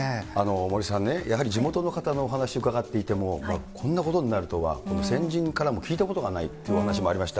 森さんね、やはり地元の方のお話を伺っていても、こんなことになるとは、先人からも聞いたことがないというお話もありました。